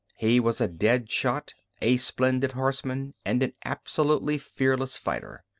He was a dead shot, a splendid horseman, and an absolutely fearless fighter.